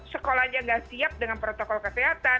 sekolahnya gak siap dengan protokol kesehatan